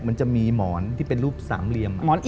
มันจะมีหมอนที่เป็นรูปสามเหลี่ยม